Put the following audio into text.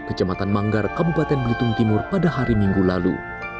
kejamatan manggar kabupaten belitung timur pada hari minggu lalu